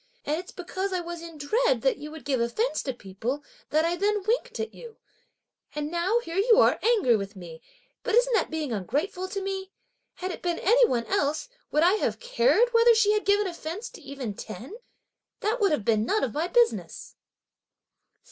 and it's because I was in dread that you would give offence to people that I then winked at you; and now here you are angry with me; but isn't that being ungrateful to me? Had it been any one else, would I have cared whether she had given offence to even ten; that would have been none of my business!"